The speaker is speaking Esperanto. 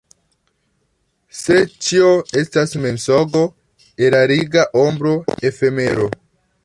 Se ĉio estas mensogo, erariga ombro, efemero.